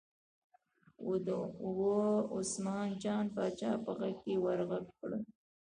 وه عثمان جان پاچا په غږ یې ور غږ کړل.